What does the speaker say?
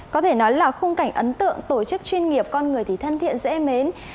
có thể nói là khung cảnh ấn tượng tổ chức chuyên nghiệp con người thì thân thiện dễ mến